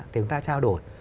thì chúng ta trao đổi